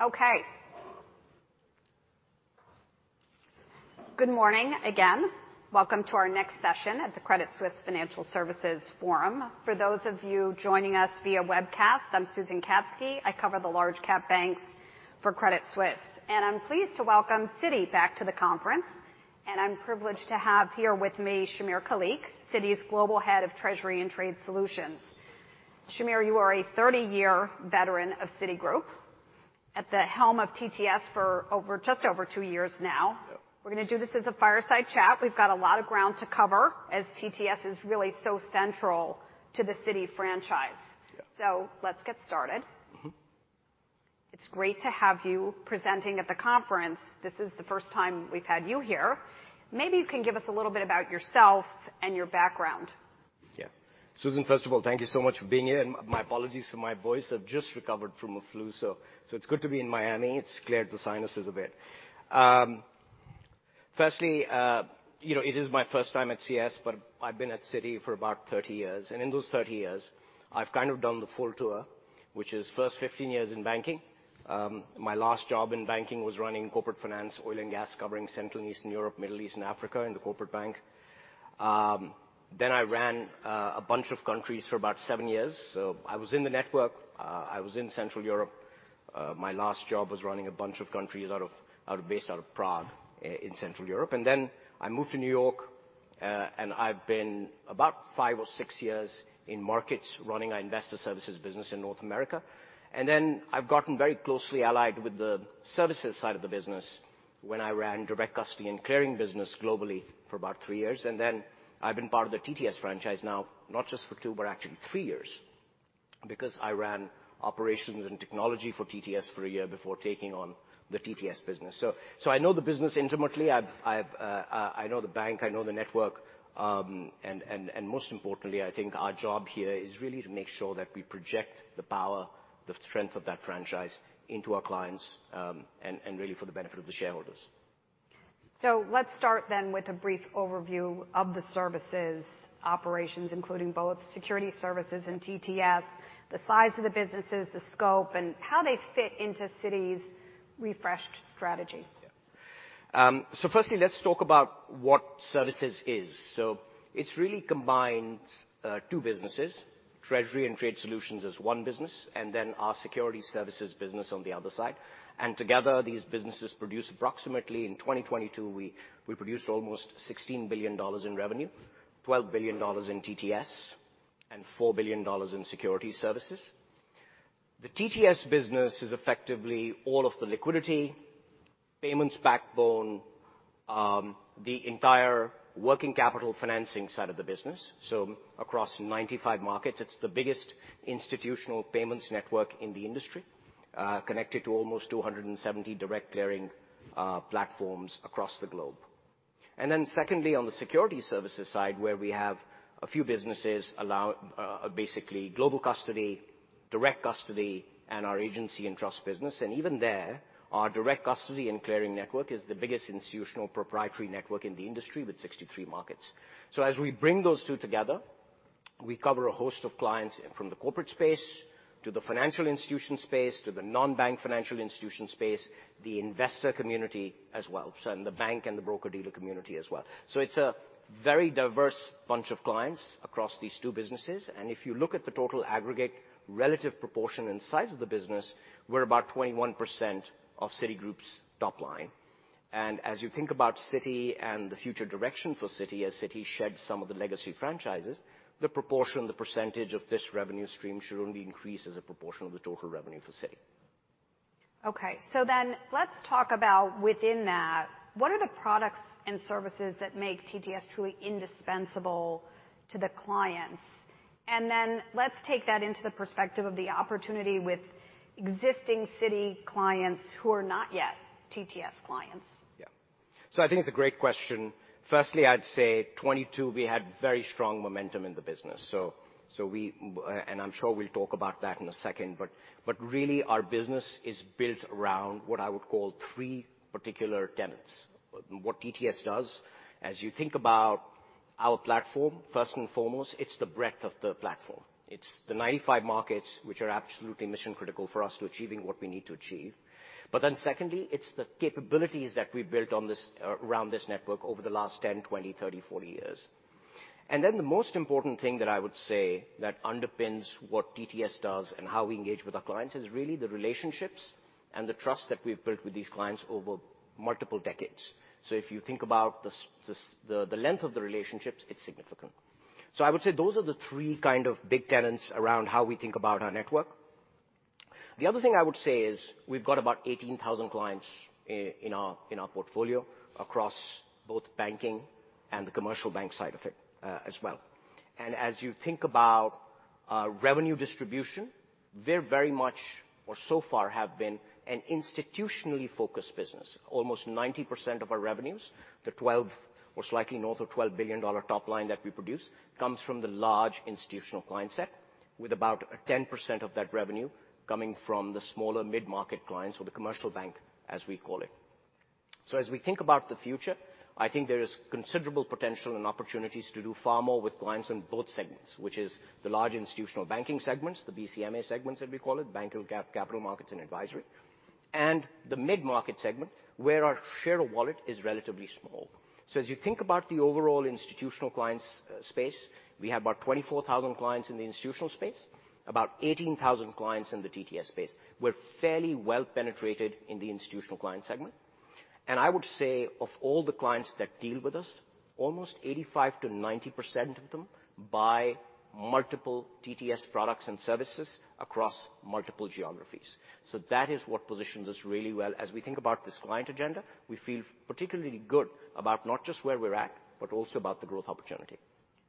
Okay. Good morning again. Welcome to our next session at the Credit Suisse Financial Services Forum. For those of you joining us via webcast, I'm Susan Katzke. I cover the large-cap banks for Credit Suisse. I'm pleased to welcome Citi back to the conference, and I'm privileged to have here with me Shahmir Khaliq, Citi's Global Head of Treasury and Trade Solutions. Shahmir, you are a 30-year veteran of Citigroup, at the helm of TTS for over, just over 2 years now. Yeah. We're gonna do this as a fireside chat. We've got a lot of ground to cover as TTS is really so central to the Citi franchise. Yeah. Let's get started. Mm-hmm. It's great to have you presenting at the conference. This is the first time we've had you here. Maybe you can give us a little bit about yourself and your background. Yeah. Susan, first of all, thank you so much for being here, and my apologies for my voice. I've just recovered from a flu, so it's good to be in Miami. It's cleared the sinuses a bit. Firstly, you know, it is my first time at CS, but I've been at Citi for about 30 years. In those 30 years I've kind of done the full tour, which is first 15 years in banking. My last job in banking was running corporate finance, oil and gas, covering Central and Eastern Europe, Middle East, and Africa in the corporate bank. I ran a bunch of countries for about 7 years. I was in the network. I was in Central Europe. My last job was running a bunch of countries based out of Prague in Central Europe. I moved to New York, and I've been about five or six years in markets running our investor services business in North America. I've gotten very closely allied with the services side of the business when I ran direct custody and clearing business globally for about three years. I've been part of the TTS franchise now, not just for two, but actually three years, because I ran operations and technology for TTS for a year before taking on the TTS business. I know the business intimately. I've, I know the bank, I know the network. Most importantly, I think our job here is really to make sure that we project the power, the strength of that franchise into our clients, and really for the benefit of the shareholders. Let's start then with a brief overview of the services operations, including both Securities Services and TTS, the size of the businesses, the scope, and how they fit into Citi's refreshed strategy. Firstly, let's talk about what services is. It really combines two businesses, Treasury and Trade Solutions as one business, and then our Securities Services business on the other side. Together, these businesses produce approximately, in 2022, we produced almost $16 billion in revenue, $12 billion in TTS, and $4 billion in Securities Services. The TTS business is effectively all of the liquidity, payments backbone, the entire working capital financing side of the business, so across 95 markets. It's the biggest institutional payments network in the industry, connected to almost 270 direct clearing platforms across the globe. Secondly, on the Securities Services side, where we have a few businesses allow, basically global custody, direct custody, and our agency and trust business. Even there, our direct custody and clearing network is the biggest institutional proprietary network in the industry with 63 markets. As we bring those two together, we cover a host of clients from the corporate space to the financial institution space to the non-bank financial institution space, the investor community as well, so and the bank and the broker-dealer community as well. It's a very diverse bunch of clients across these two businesses. If you look at the total aggregate relative proportion and size of the business, we're about 21% of Citigroup's top line. As you think about Citi and the future direction for Citi, as Citi sheds some of the legacy franchises, the proportion, the percentage of this revenue stream should only increase as a proportion of the total revenue for Citi. Let's talk about within that, what are the products and services that make TTS truly indispensable to the clients? Let's take that into the perspective of the opportunity with existing Citi clients who are not yet TTS clients. Yeah. I think it's a great question. Firstly, I'd say 22, we had very strong momentum in the business. We... I'm sure we'll talk about that in a second. Really our business is built around what I would call three particular tenets. What TTS does, as you think about our platform, first and foremost, it's the breadth of the platform. It's the 95 markets, which are absolutely mission critical for us to achieving what we need to achieve. Secondly, it's the capabilities that we built on this, around this network over the last 10, 20, 30, 40 years. The most important thing that I would say that underpins what TTS does and how we engage with our clients is really the relationships and the trust that we've built with these clients over multiple decades. If you think about the length of the relationships, it's significant. I would say those are the three kind of big tenets around how we think about our network. The other thing I would say is we've got about 18,000 clients in our portfolio across both banking and the commercial bank side of it, as well. As you think about revenue distribution, we're very much or so far have been an institutionally focused business. Almost 90% of our revenues, most likely north of $12 billion top line that we produce, comes from the large institutional client set, with about 10% of that revenue coming from the smaller mid-market clients or the commercial bank, as we call it. As we think about the future, I think there is considerable potential and opportunities to do far more with clients in both segments, which is the large institutional banking segments, the BCMA segments, as we call it, banking capital markets and advisory. The mid-market segment, where our share of wallet is relatively small. As you think about the overall institutional clients space, we have about 24,000 clients in the institutional space, about 18,000 clients in the TTS space. We're fairly well penetrated in the institutional client segment. I would say of all the clients that deal with us, almost 85%-90% of them buy multiple TTS products and services across multiple geographies. That is what positions us really well. As we think about this client agenda, we feel particularly good about not just where we're at, but also about the growth opportunity.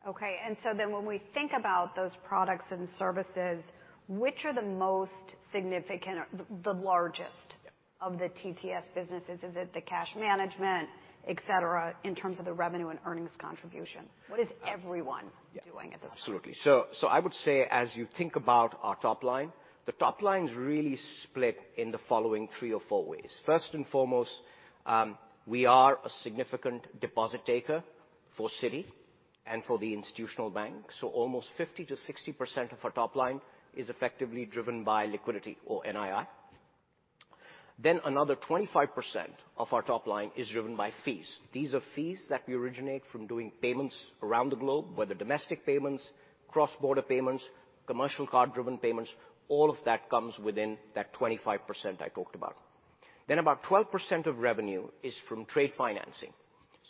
Okay. When we think about those products and services, which are the most significant or the largest. Yeah... of the TTS businesses? Is it the cash management, et cetera, in terms of the revenue and earnings contribution? What is everyone- Yeah... doing at this point? Absolutely. I would say as you think about our top line, the top line's really split in the following 3 or 4 ways. First and foremost, we are a significant deposit taker for Citi and for the institutional bank. Almost 50%-60% of our top line is effectively driven by liquidity or NII. Another 25% of our top line is driven by fees. These are fees that we originate from doing payments around the globe, whether domestic payments, cross-border payments, commercial card-driven payments, all of that comes within that 25% I talked about. About 12% of revenue is from trade financing.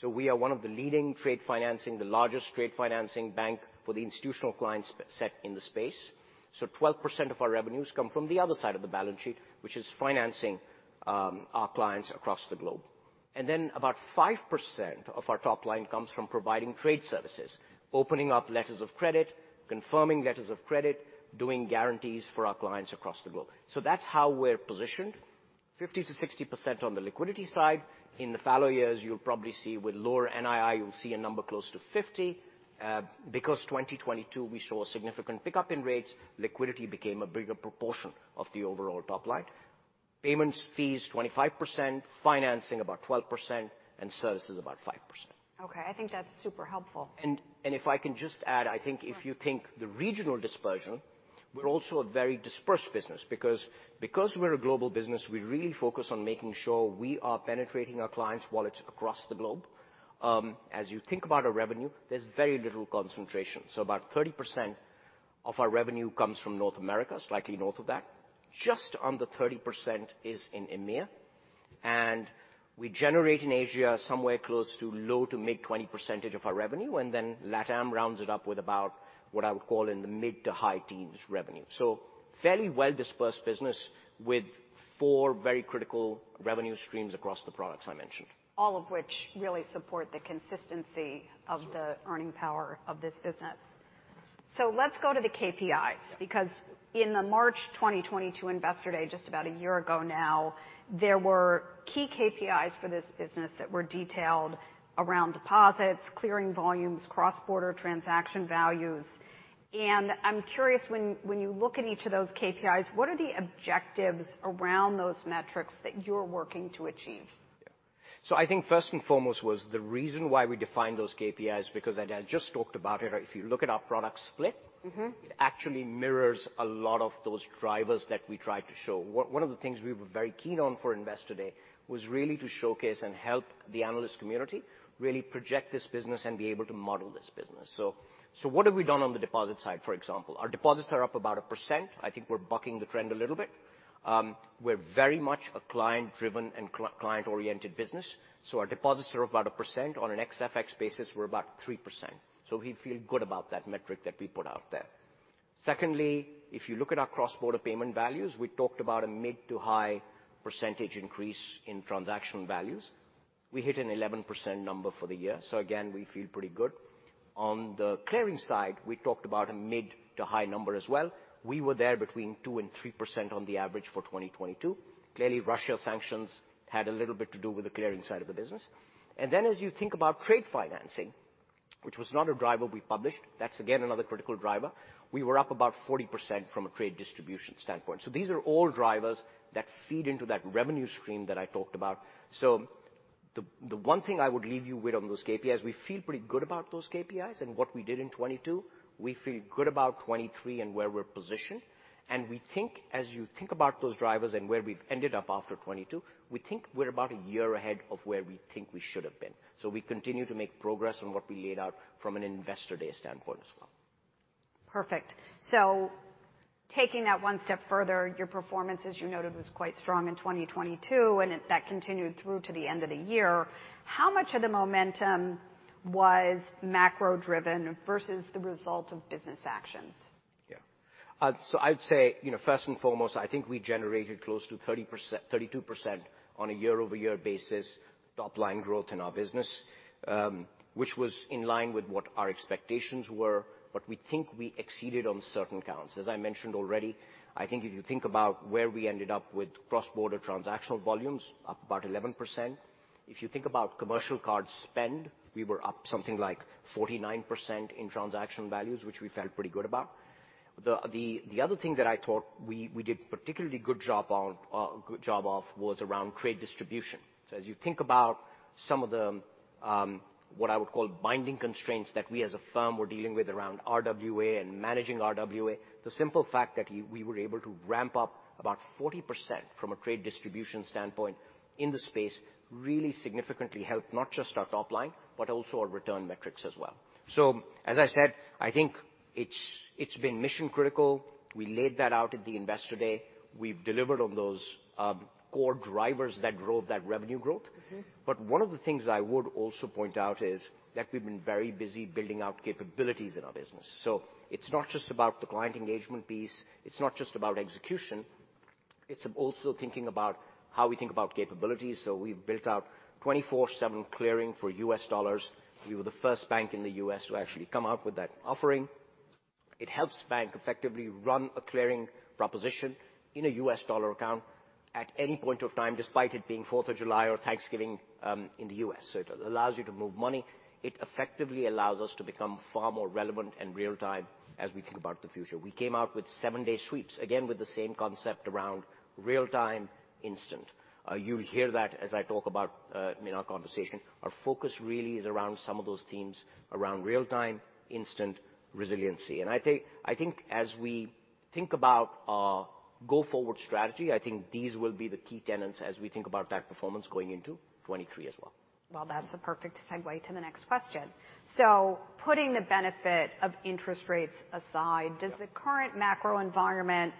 We are one of the leading trade financing, the largest trade financing bank for the institutional client set in the space. 12% of our revenues come from the other side of the balance sheet, which is financing our clients across the globe. About 5% of our top line comes from providing trade services, opening up letters of credit, confirming letters of credit, doing guarantees for our clients across the globe. That's how we're positioned. 50%-60% on the liquidity side. In the fallow years, you'll probably see with lower NII, you'll see a number close to 50. Because 2022 we saw a significant pickup in rates, liquidity became a bigger proportion of the overall top line. Payments fees, 25%, financing about 12%, and services about 5%. Okay. I think that's super helpful. If I can just add. Sure... if you think the regional dispersion, we're also a very dispersed business because we're a global business, we really focus on making sure we are penetrating our clients' wallets across the globe. As you think about our revenue, there's very little concentration. About 30% of our revenue comes from North America, slightly north of that. Just under 30% is in EMEA. We generate in Asia somewhere close to low to mid-20% of our revenue, then LatAm rounds it up with about what I would call in the mid to high teens revenue. Fairly well dispersed business with four very critical revenue streams across the products I mentioned. All of which really support the consistency of the- Sure... earning power of this business. Let's go to the KPIs. Yeah. In the March 2022 Investor Day, just about a year ago now, there were key KPIs for this business that were detailed around deposits, clearing volumes, cross-border transaction values. I'm curious when you look at each of those KPIs, what are the objectives around those metrics that you're working to achieve? Yeah. I think first and foremost was the reason why we defined those KPIs, because as I just talked about it, if you look at our product split. Mm-hmm... it actually mirrors a lot of those drivers that we tried to show. One of the things we were very keen on for Investor Day was really to showcase and help the analyst community really project this business and be able to model this business. What have we done on the deposit side, for example? Our deposits are up about 1%. I think we're bucking the trend a little bit. We're very much a client-driven and client-oriented business, so our deposits are up about 1%. On an ex-FX basis, we're about 3%. We feel good about that metric that we put out there. Secondly, if you look at our cross-border payment values, we talked about a mid to high percentage increase in transactional values. We hit an 11% number for the year. Again, we feel pretty good. On the clearing side, we talked about a mid-to-high number as well. We were there between 2% and 3% on the average for 2022. Clearly, Russia sanctions had a little bit to do with the clearing side of the business. As you think about trade financing, which was not a driver we published, that's again another critical driver, we were up about 40% from a trade distribution standpoint. These are all drivers that feed into that revenue stream that I talked about. The one thing I would leave you with on those KPIs, we feel pretty good about those KPIs and what we did in 2022. We feel good about 2023 and where we're positioned. We think as you think about those drivers and where we've ended up after 2022, we think we're about a year ahead of where we think we should have been. We continue to make progress on what we laid out from an Investor Day standpoint as well. Perfect. Taking that one step further, your performance, as you noted, was quite strong in 2022, and that continued through to the end of the year. How much of the momentum was macro-driven versus the result of business actions? Yeah. I'd say, you know, first and foremost, I think we generated close to 30%, 32% on a year-over-year basis, top line growth in our business, which was in line with what our expectations were, but we think we exceeded on certain counts. As I mentioned already, I think if you think about where we ended up with cross-border transactional volumes, up about 11%. If you think about commercial card spend, we were up something like 49% in transactional values, which we felt pretty good about. The other thing that I thought we did particularly good job of was around trade distribution. As you think about some of the what I would call binding constraints that we as a firm were dealing with around RWA and managing RWA, the simple fact that we were able to ramp up about 40% from a trade distribution standpoint in the space really significantly helped, not just our top line, but also our return metrics as well. As I said, I think it's been mission-critical. We laid that out at the Investor Day. We've delivered on those core drivers that drove that revenue growth. Mm-hmm. One of the things I would also point out is that we've been very busy building out capabilities in our business. It's not just about the client engagement piece, it's not just about execution, it's also thinking about how we think about capabilities. We've built out 24/7 clearing for U.S. dollars. We were the first bank in the U.S. to actually come up with that offering. It helps bank effectively run a clearing proposition in a U.S. dollar account at any point of time, despite it being 4th of July or Thanksgiving, in the U.S. It allows you to move money. It effectively allows us to become far more relevant and real-time as we think about the future. We came out with 7-day sweeps, again, with the same concept around real-time instant. You'll hear that as I talk about, in our conversation. Our focus really is around some of those themes around real-time, instant resiliency. I think as we think about our go-forward strategy, I think these will be the key tenets as we think about that performance going into 2023 as well. Well, that's a perfect segue to the next question. Putting the benefit of interest rates aside. Yeah. Does the current macro environment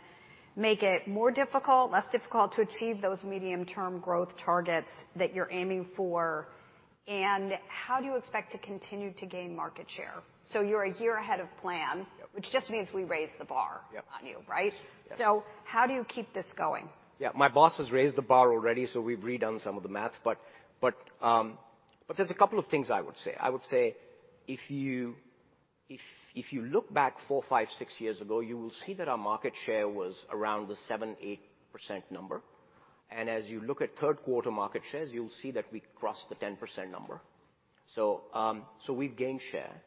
make it more difficult, less difficult, to achieve those medium-term growth targets that you're aiming for? How do you expect to continue to gain market share? You're a year ahead of plan. Yeah. -which just means we raised the bar- Yeah. on you, right? Yeah. How do you keep this going? Yeah. My boss has raised the bar already, so we've redone some of the math, but there's a couple of things I would say. I would say if you look back four, five, six years ago, you will see that our market share was around the 7%, 8% number. As you look at third quarter market shares, you'll see that we crossed the 10% number. We've gained share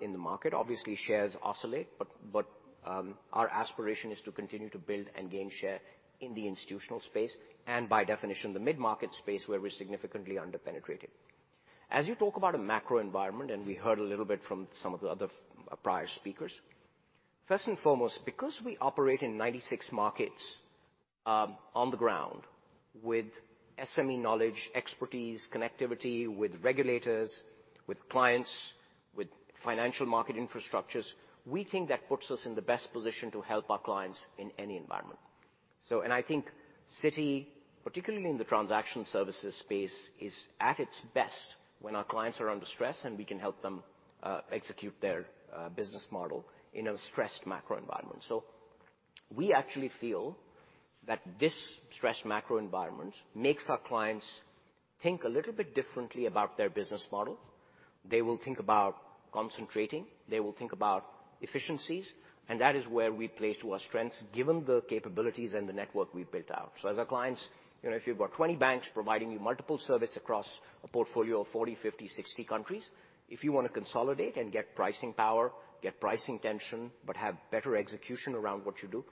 in the market. Obviously, shares oscillate, but our aspiration is to continue to build and gain share in the institutional space, and by definition, the mid-market space, where we're significantly under-penetrated. As you talk about a macro environment, and we heard a little bit from some of the other prior speakers. First and foremost, because we operate in 96 markets, on the ground with SME knowledge, expertise, connectivity with regulators, with clients, with financial market infrastructures, we think that puts us in the best position to help our clients in any environment. I think Citi, particularly in the transaction services space, is at its best when our clients are under stress, and we can help them execute their business model in a stressed macro environment. We actually feel that this stressed macro environment makes our clients think a little bit differently about their business model. They will think about concentrating, they will think about efficiencies, that is where we play to our strengths, given the capabilities and the network we've built out. As our clients, you know, if you've got 20 banks providing you multiple service across a portfolio of 40, 50, 60 countries, if you wanna consolidate and get pricing power, get pricing tension, but have better execution around what you do,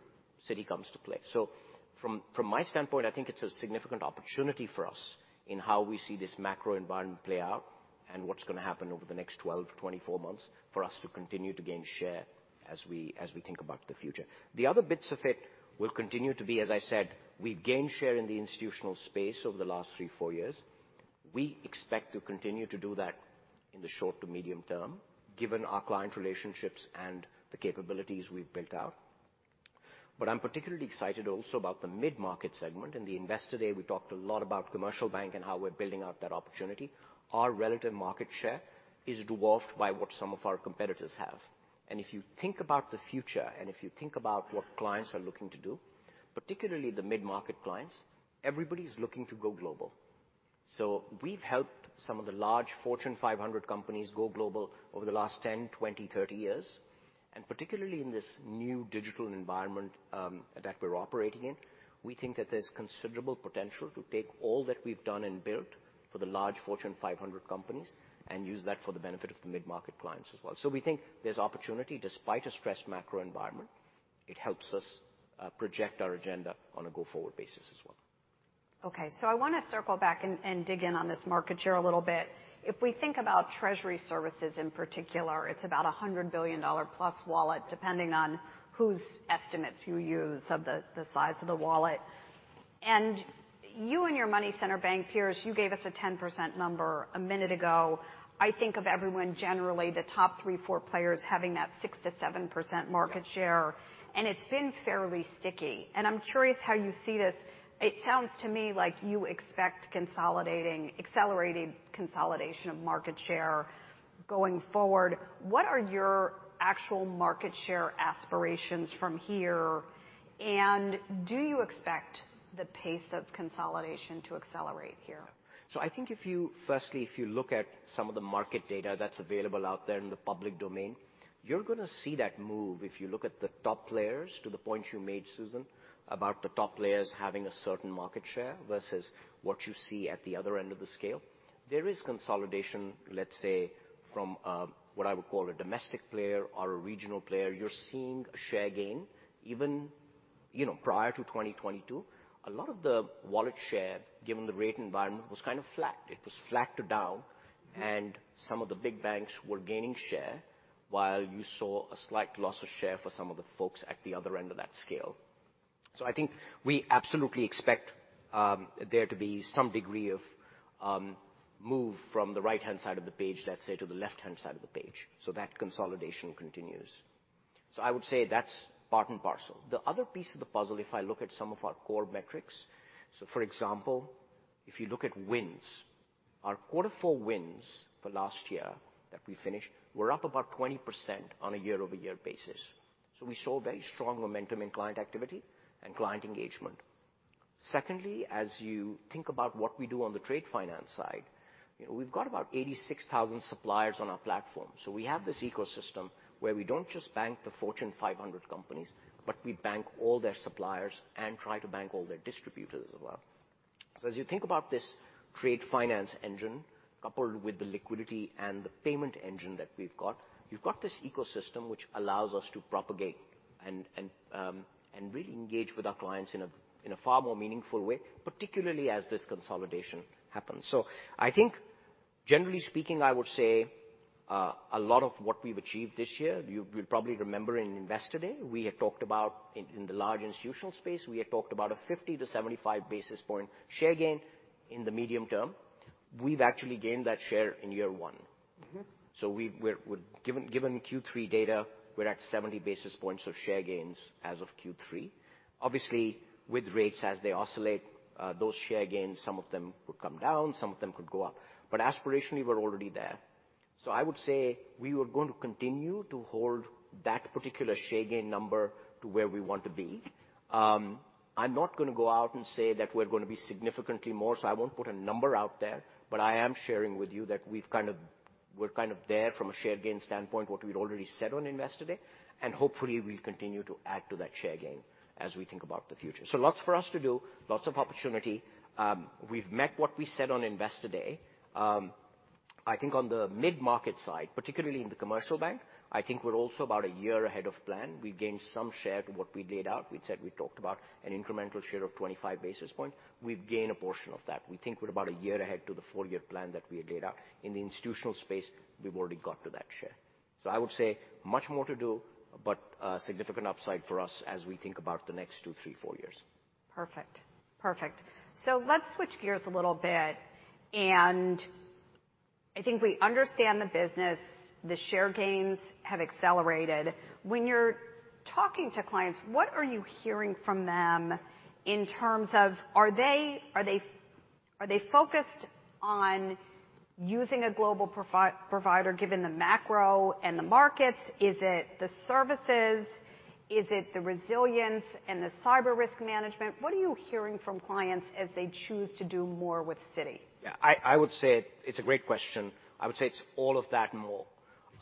Citi comes to play. From my standpoint, I think it's a significant opportunity for us in how we see this macro environment play out and what's gonna happen over the next 12-24 months for us to continue to gain share as we think about the future. The other bits of it will continue to be, as I said, we've gained share in the institutional space over the last 3, 4 years. We expect to continue to do that in the short to medium term, given our client relationships and the capabilities we've built out. I'm particularly excited also about the mid-market segment. In the Investor Day, we talked a lot about commercial bank and how we're building out that opportunity. Our relative market share is dwarfed by what some of our competitors have. If you think about the future, and if you think about what clients are looking to do, particularly the mid-market clients, everybody's looking to go global. We've helped some of the large Fortune 500 companies go global over the last 10, 20, 30 years. Particularly in this new digital environment that we're operating in, we think that there's considerable potential to take all that we've done and built for the large Fortune 500 companies and use that for the benefit of the mid-market clients as well. We think there's opportunity despite a stressed macro environment. It helps us project our agenda on a go-forward basis as well. I wanna circle back and dig in on this market share a little bit. If we think about treasury services in particular, it's about a $100 billion+ wallet, depending on whose estimates you use of the size of the wallet. You and your money center bank peers, you gave us a 10% number a minute ago. I think of everyone, generally the top 3, 4 players having that 6%-7% market share, and it's been fairly sticky. I'm curious how you see this. It sounds to me like you expect accelerated consolidation of market share going forward. What are your actual market share aspirations from here? Do you expect the pace of consolidation to accelerate here? I think if you firstly, if you look at some of the market data that's available out there in the public domain, you're gonna see that move. If you look at the top players, to the point you made, Susan, about the top players having a certain market share versus what you see at the other end of the scale, there is consolidation, let's say, from what I would call a domestic player or a regional player. You're seeing a share gain. You know, prior to 2022, a lot of the wallet share, given the rate environment, was kind of flat. It was flat to down, some of the big banks were gaining share, while you saw a slight loss of share for some of the folks at the other end of that scale. I think we absolutely expect, there to be some degree of, move from the right-hand side of the page, let's say, to the left-hand side of the page. That consolidation continues. I would say that's part and parcel. The other piece of the puzzle, if I look at some of our core metrics, so for example, if you look at wins, our quarter four wins for last year that we finished were up about 20% on a year-over-year basis. We saw very strong momentum in client activity and client engagement. Secondly, as you think about what we do on the trade finance side, you know, we've got about 86,000 suppliers on our platform. We have this ecosystem where we don't just bank the Fortune 500 companies, but we bank all their suppliers and try to bank all their distributors as well. As you think about this trade finance engine coupled with the liquidity and the payment engine that we've got, you've got this ecosystem which allows us to propagate and really engage with our clients in a, in a far more meaningful way, particularly as this consolidation happens. I think generally speaking, I would say, a lot of what we've achieved this year, you probably remember in Investor Day, we had talked about in the large institutional space, we had talked about a 50-75 basis point share gain in the medium term. We've actually gained that share in year one. Mm-hmm. Given, given Q3 data, we're at 70 basis points of share gains as of Q3. Obviously, with rates as they oscillate, those share gains, some of them would come down, some of them could go up. Aspirationally, we're already there. I would say we are going to continue to hold that particular share gain number to where we want to be. I'm not gonna go out and say that we're gonna be significantly more, so I won't put a number out there, but I am sharing with you that we're kind of there from a share gain standpoint, what we'd already said on Investor Day, and hopefully, we'll continue to add to that share gain as we think about the future. Lots for us to do, lots of opportunity. We've met what we said on Investor Day. I think on the mid-market side, particularly in the commercial bank, I think we're also about a year ahead of plan. We gained some share to what we laid out. We'd said we talked about an incremental share of 25 basis point. We've gained a portion of that. We think we're about a year ahead to the four-year plan that we had laid out. In the institutional space, we've already got to that share. I would say much more to do, but significant upside for us as we think about the next two, three, four years. Perfect. Perfect. Let's switch gears a little bit, and I think we understand the business. The share gains have accelerated. When you're talking to clients, what are you hearing from them in terms of are they focused on using a global provider, given the macro and the markets? Is it the services? Is it the resilience and the cyber risk management? What are you hearing from clients as they choose to do more with Citi? Yeah. I would say it's a great question. I would say it's all of that and more.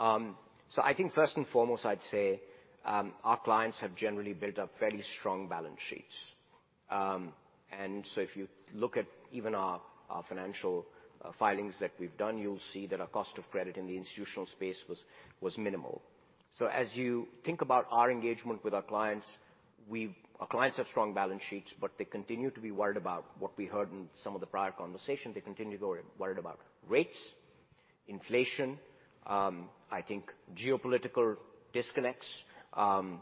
I think first and foremost, I'd say our clients have generally built up very strong balance sheets. If you look at even our financial filings that we've done, you'll see that our cost of credit in the institutional space was minimal. As you think about our engagement with our clients, our clients have strong balance sheets, but they continue to be worried about what we heard in some of the prior conversations. They continue to be worried about rates, inflation, I think geopolitical disconnects, and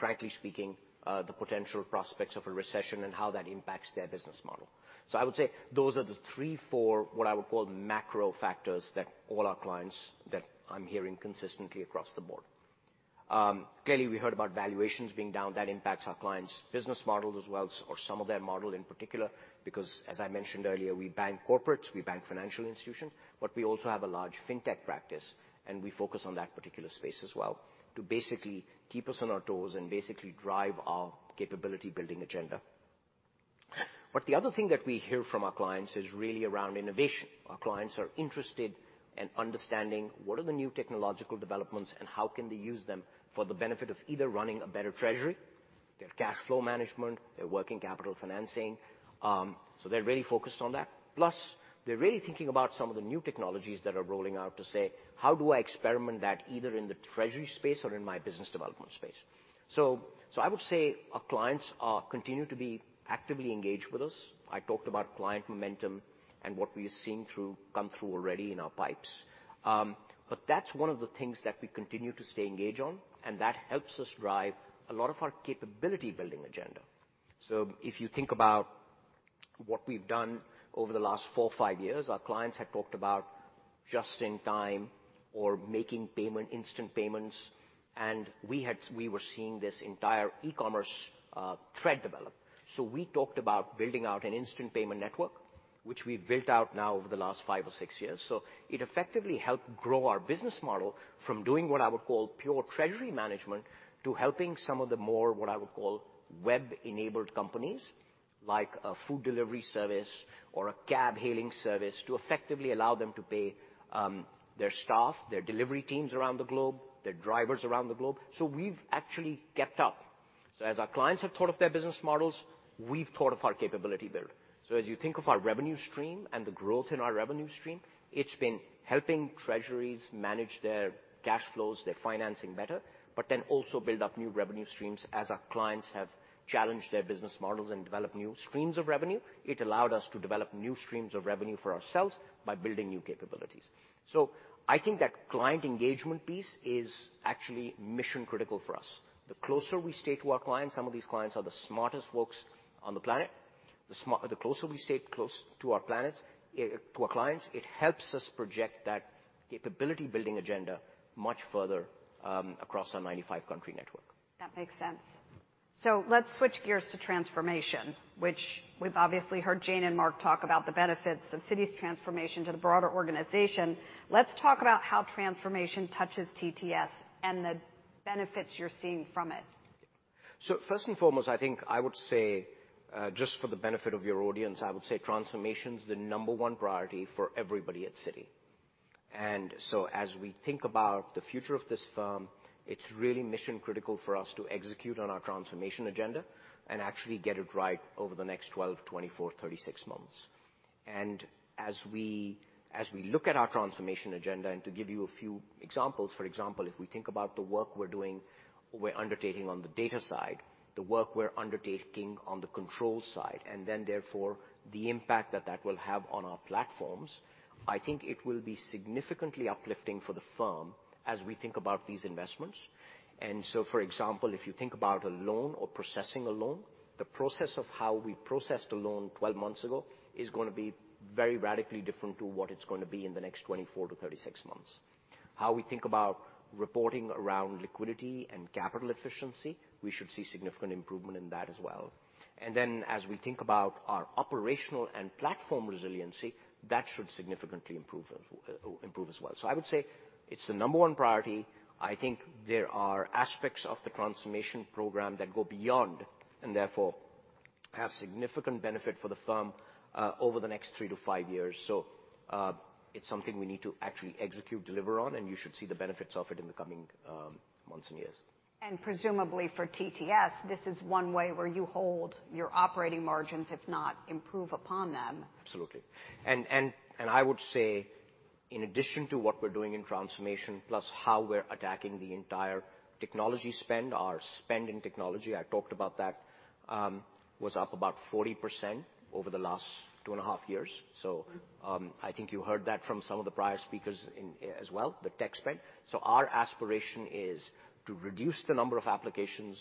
frankly speaking, the potential prospects of a recession and how that impacts their business model. I would say those are the 3, 4, what I would call macro factors that all our clients that I'm hearing consistently across the board. Clearly, we heard about valuations being down. That impacts our clients' business model as well, or some of their model in particular, because as I mentioned earlier, we bank corporates, we bank financial institutions, but we also have a large fintech practice, and we focus on that particular space as well to basically keep us on our toes and basically drive our capability-building agenda. The other thing that we hear from our clients is really around innovation. Our clients are interested in understanding what are the new technological developments and how can they use them for the benefit of either running a better treasury, their cash flow management, their working capital financing. They're really focused on that. They're really thinking about some of the new technologies that are rolling out to say, "How do I experiment that either in the treasury space or in my business development space?" I would say our clients are continue to be actively engaged with us. I talked about client momentum and what we are seeing through, come through already in our pipes. But that's one of the things that we continue to stay engaged on, and that helps us drive a lot of our capability-building agenda. If you think about what we've done over the last four, five years, our clients had talked about just in time or making payment, instant payments, and we were seeing this entire e-commerce trend develop. We talked about building out an instant payment network, which we've built out now over the last five or six years. It effectively helped grow our business model from doing what I would call pure treasury management to helping some of the more what I would call web-enabled companies, like a food delivery service or a cab hailing service, to effectively allow them to pay their staff, their delivery teams around the globe, their drivers around the globe. We've actually kept up. As our clients have thought of their business models, we've thought of our capability build. As you think of our revenue stream and the growth in our revenue stream, it's been helping treasuries manage their cash flows, their financing better, also build up new revenue streams as our clients have challenged their business models and developed new streams of revenue. It allowed us to develop new streams of revenue for ourselves by building new capabilities. I think that client engagement piece is actually mission-critical for us. The closer we stay to our clients, some of these clients are the smartest folks on the planet. The closer we stay close to our clients, it helps us project that capability-building agenda much further across our 95 country network. That makes sense. Let's switch gears to transformation, which we've obviously heard Jane and Mark talk about the benefits of Citi's transformation to the broader organization. Let's talk about how transformation touches TTS and the benefits you're seeing from it. First and foremost, I think I would say, just for the benefit of your audience, I would say transformation's the number one priority for everybody at Citi. As we think about the future of this firm, it's really mission-critical for us to execute on our transformation agenda and actually get it right over the next 12, 24, 36 months. As we look at our transformation agenda, and to give you a few examples, for example, if we think about the work we're doing, we're undertaking on the data side, the work we're undertaking on the control side, and then therefore the impact that that will have on our platforms, I think it will be significantly uplifting for the firm as we think about these investments. For example, if you think about a loan or processing a loan, the process of how we processed a loan 12 months ago is gonna be very radically different to what it's going to be in the next 24-36 months. As we think about reporting around liquidity and capital efficiency, we should see significant improvement in that as well. As we think about our operational and platform resiliency, that should significantly improve as well. I would say it's the number one priority. I think there are aspects of the transformation program that go beyond, and therefore have significant benefit for the firm over the next 3-5 years. It's something we need to actually execute, deliver on, and you should see the benefits of it in the coming months and years. Presumably for TTS, this is one way where you hold your operating margins, if not improve upon them. Absolutely. And I would say in addition to what we're doing in transformation, plus how we're attacking the entire technology spend, our spend in technology, I talked about that, was up about 40% over the last two and a half years. I think you heard that from some of the prior speakers in as well, the tech spend. Our aspiration is to reduce the number of applications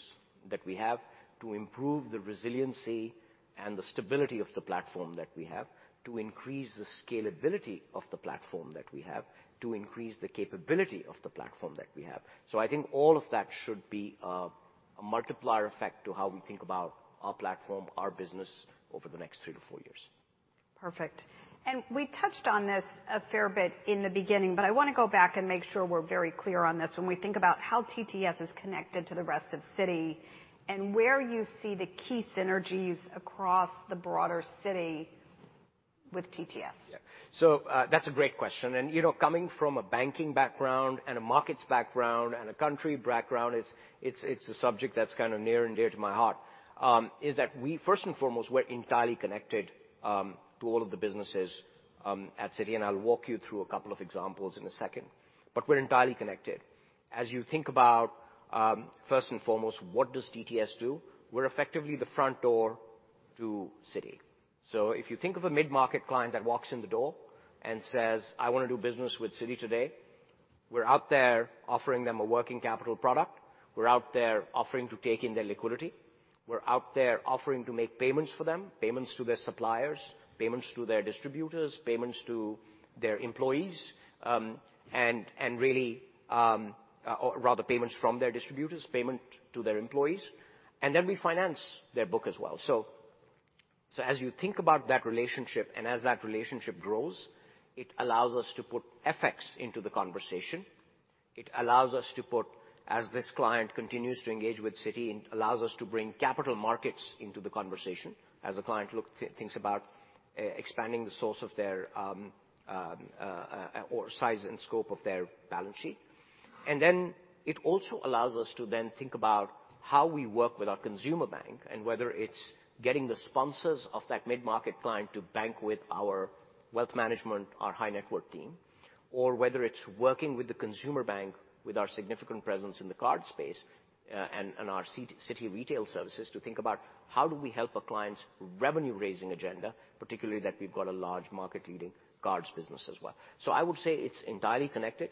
that we have to improve the resiliency and the stability of the platform that we have, to increase the scalability of the platform that we have, to increase the capability of the platform that we have. I think all of that should be a multiplier effect to how we think about our platform, our business over the next 3-4 years. Perfect. We touched on this a fair bit in the beginning, but I wanna go back and make sure we're very clear on this. When we think about how TTS is connected to the rest of Citi, and where you see the key synergies across the broader Citi with TTS? Yeah. That's a great question. You know, coming from a banking background and a markets background and a country background, it's a subject that's kinda near and dear to my heart. Is that we first and foremost, we're entirely connected to all of the businesses at Citi, and I'll walk you through a couple of examples in a second. We're entirely connected. As you think about, first and foremost, what does TTS do? We're effectively the front door to Citi. If you think of a mid-market client that walks in the door and says, "I wanna do business with Citi today," we're out there offering them a working capital product. We're out there offering to take in their liquidity. We're out there offering to make payments for them, payments to their suppliers, payments to their distributors, payments to their employees, and really, or rather, payments from their distributors, payment to their employees. Then we finance their book as well. As you think about that relationship, and as that relationship grows, it allows us to put FX into the conversation. It allows us to put, as this client continues to engage with Citi, it allows us to bring capital markets into the conversation as a client thinks about expanding the source of their, or size and scope of their balance sheet. It also allows us to then think about how we work with our consumer bank, and whether it's getting the sponsors of that mid-market client to bank with our wealth management, our high-net-worth team, or whether it's working with the consumer bank with our significant presence in the card space, and our Citi Retail Services to think about how do we help a client's revenue-raising agenda, particularly that we've got a large market-leading cards business as well. I would say it's entirely connected.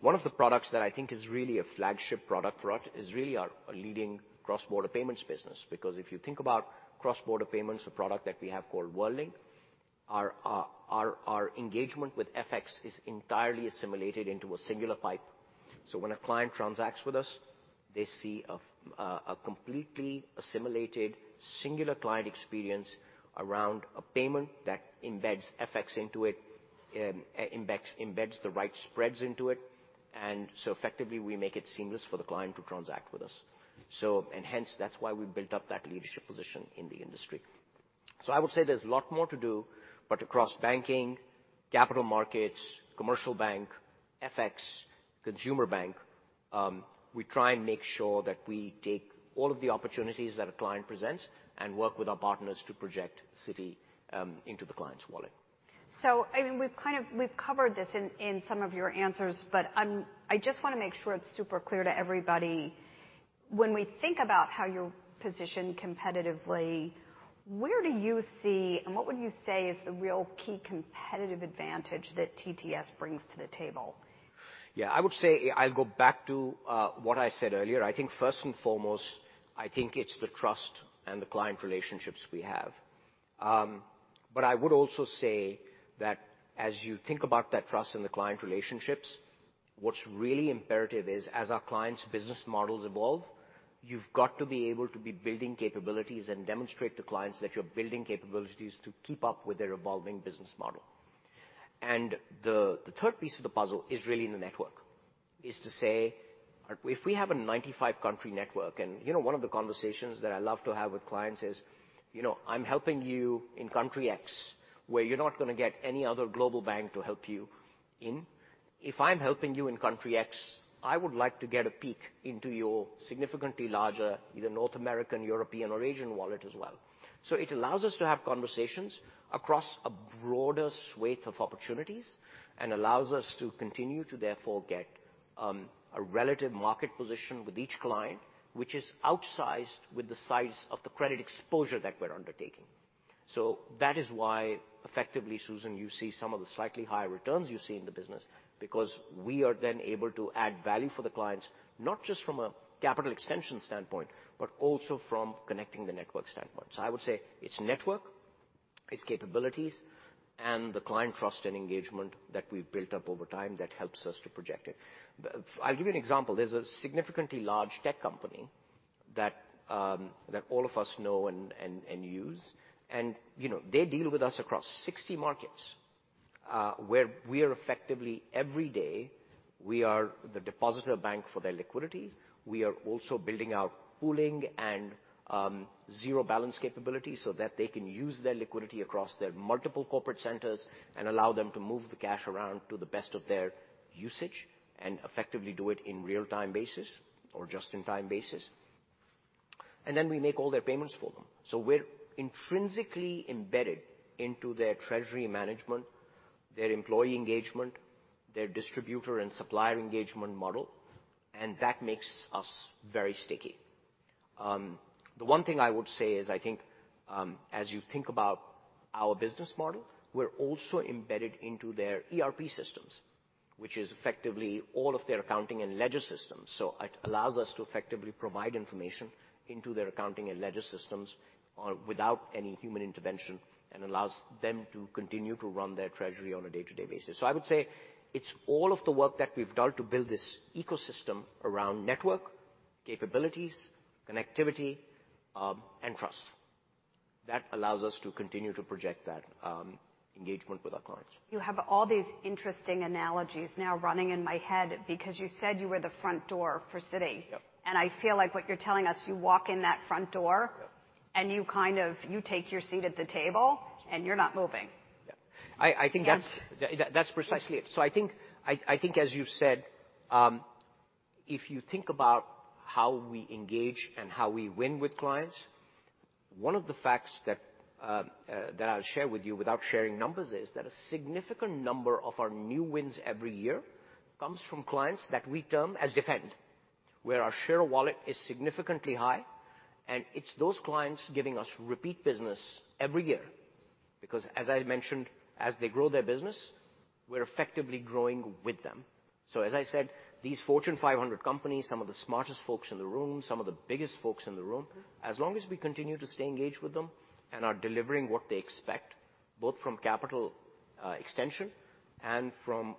One of the products that I think is really a flagship product for us is really our leading cross-border payments business. If you think about cross-border payments, a product that we have called WorldLink, our engagement with FX is entirely assimilated into a singular pipe. When a client transacts with us, they see a completely assimilated, singular client experience around a payment that embeds FX into it, embeds the right spreads into it. Effectively, we make it seamless for the client to transact with us. Hence, that's why we've built up that leadership position in the industry. I would say there's a lot more to do, but across banking, capital markets, commercial bank, FX, consumer bank, we try and make sure that we take all of the opportunities that a client presents and work with our partners to project Citi into the client's wallet. I mean, we've kind of... We've covered this in some of your answers, but I just wanna make sure it's super clear to everybody. When we think about how you're positioned competitively, where do you see and what would you say is the real key competitive advantage that TTS brings to the table? Yeah. I would say I'll go back to what I said earlier. I think first and foremost, I think it's the trust and the client relationships we have. I would also say that as you think about that trust and the client relationships, what's really imperative is as our clients' business models evolve, you've got to be able to be building capabilities and demonstrate to clients that you're building capabilities to keep up with their evolving business model. The third piece of the puzzle is really in the network, is to say if we have a 95-country network, and you know, one of the conversations that I love to have with clients is, you know, "I'm helping you in country X, where you're not gonna get any other global bank to help you in. If I'm helping you in country X, I would like to get a peek into your significantly larger, either North American, European or Asian wallet as well. It allows us to have conversations across a broader swathe of opportunities and allows us to continue to therefore get a relative market position with each client, which is outsized with the size of the credit exposure that we're undertaking. That is why effectively, Susan, you see some of the slightly higher returns you see in the business, because we are then able to add value for the clients, not just from a capital extension standpoint, but also from connecting the network standpoint. I would say it's network, it's capabilities, and the client trust and engagement that we've built up over time that helps us to project it. I'll give you an example. There's a significantly large tech company that all of us know and use. You know, they deal with us across 60 markets, where we are effectively every day, we are the depositor bank for their liquidity. We are also building out pooling and zero balance capability so that they can use their liquidity across their multiple corporate centers and allow them to move the cash around to the best of their usage and effectively do it in real-time basis or just in time basis. We make all their payments for them. We're intrinsically embedded into their treasury management, their employee engagement, their distributor and supplier engagement model, and that makes us very sticky. The one thing I would say is I think, as you think about our business model, we're also embedded into their ERP systems, which is effectively all of their accounting and ledger systems. It allows us to effectively provide information into their accounting and ledger systems, without any human intervention, and allows them to continue to run their treasury on a day-to-day basis. I would say it's all of the work that we've done to build this ecosystem around network, capabilities, connectivity, and trust that allows us to continue to project that engagement with our clients. You have all these interesting analogies now running in my head because you said you were the front door for Citi. Yep. I feel like what you're telling us, you walk in that front door... Yep. You kind of, you take your seat at the table, and you're not moving. Yeah. I think And- That's precisely it. I think as you've said, if you think about how we engage and how we win with clients, one of the facts that I'll share with you without sharing numbers is that a significant number of our new wins every year comes from clients that we term as defend, where our share of wallet is significantly high, and it's those clients giving us repeat business every year. As I mentioned, as they grow their business, we're effectively growing with them. As I said, these Fortune 500 companies, some of the smartest folks in the room, some of the biggest folks in the room. As long as we continue to stay engaged with them and are delivering what they expect, both from capital, extension and from,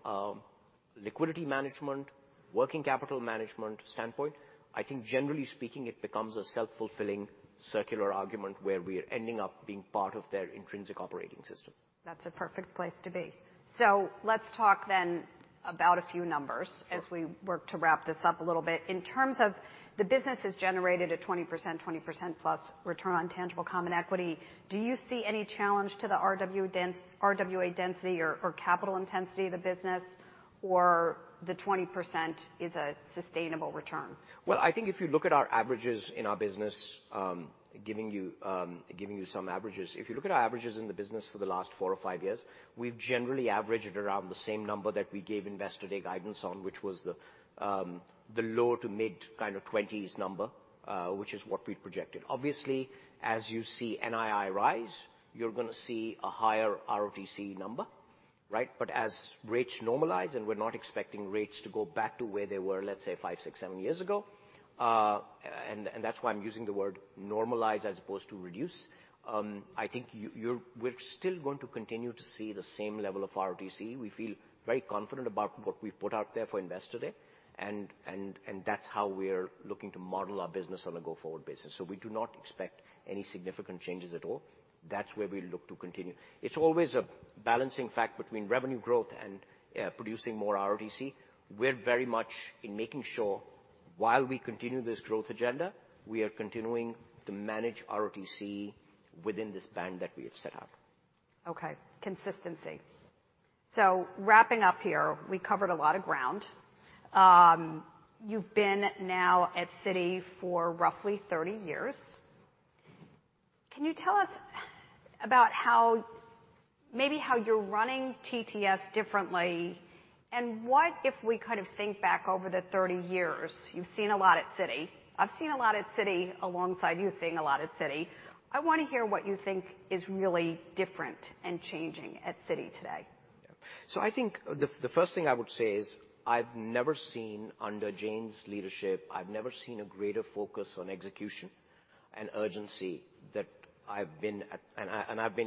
liquidity management, working capital management standpoint, I think generally speaking, it becomes a self-fulfilling circular argument where we're ending up being part of their intrinsic operating system. That's a perfect place to be. Let's talk then about a few numbers. Sure. As we work to wrap this up a little bit. In terms of the business is generated at 20%, 20% + return on tangible common equity, do you see any challenge to the RWA density or capital intensity of the business, or the 20% is a sustainable return? Well, I think if you look at our averages in our business, giving you some averages. If you look at our averages in the business for the last four or five years, we've generally averaged around the same number that we gave Investor Day guidance on, which was the low-to-mid kind of twenties number, which is what we'd projected. Obviously, as you see NII rise, you're gonna see a higher RoTCE number, right? As rates normalize, and we're not expecting rates to go back to where they were, let's say five, six, seven years ago, and that's why I'm using the word normalize as opposed to reduce. I think you, we're still going to continue to see the same level of RoTCE. We feel very confident about what we've put out there for Investor Day, and that's how we're looking to model our business on a go-forward basis. We do not expect any significant changes at all. That's where we look to continue. It's always a balancing fact between revenue growth and producing more RoTCE. We're very much in making sure, while we continue this growth agenda, we are continuing to manage RoTCE within this band that we have set out. Okay. Consistency. Wrapping up here, we covered a lot of ground. You've been now at Citi for roughly 30 years. Can you tell us about how maybe how you're running TTS differently, what if we kind of think back over the 30 years, you've seen a lot at Citi. I've seen a lot at Citi alongside you seeing a lot at Citi. I wanna hear what you think is really different and changing at Citi today. I think the first thing I would say is I've never seen under Jane's leadership, I've never seen a greater focus on execution and urgency that I've been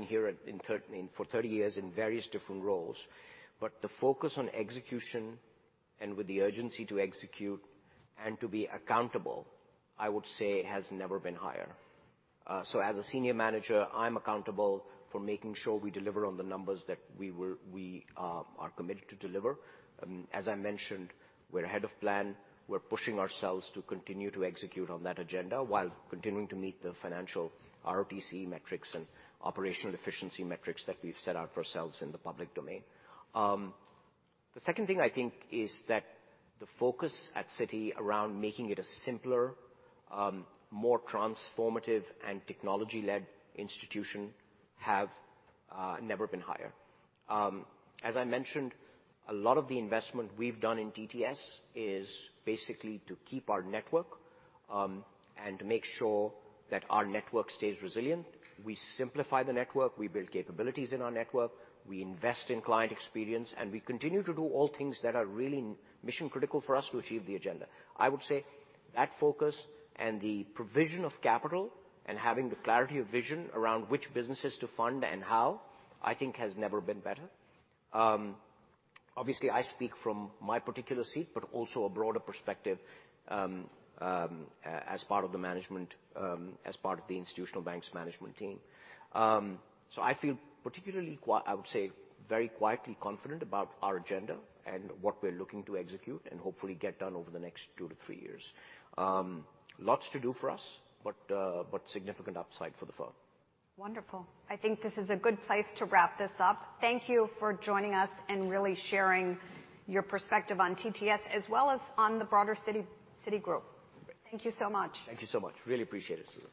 here for 30 years in various different roles. The focus on execution and with the urgency to execute and to be accountable, I would say has never been higher. As a senior manager, I'm accountable for making sure we deliver on the numbers that we are committed to deliver. As I mentioned, we're ahead of plan. We're pushing ourselves to continue to execute on that agenda while continuing to meet the financial RoTCE metrics and operational efficiency metrics that we've set out for ourselves in the public domain. The second thing I think is that the focus at Citi around making it a simpler, more transformative and technology-led institution have never been higher. As I mentioned, a lot of the investment we've done in TTS is basically to keep our network and to make sure that our network stays resilient. We simplify the network, we build capabilities in our network, we invest in client experience, and we continue to do all things that are really mission-critical for us to achieve the agenda. I would say that focus and the provision of capital and having the clarity of vision around which businesses to fund and how, I think has never been better. Obviously I speak from my particular seat, but also a broader perspective, as part of the management, as part of the institutional bank's management team. I feel particularly I would say very quietly confident about our agenda and what we're looking to execute and hopefully get done over the next 2-3 years. Lots to do for us, but significant upside for the firm. Wonderful. I think this is a good place to wrap this up. Thank you for joining us and really sharing your perspective on TTS as well as on the broader Citi, Citigroup. Okay. Thank you so much. Thank you so much. Really appreciate it, Susan.